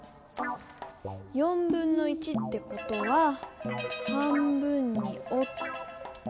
1/4ってことは半分におって。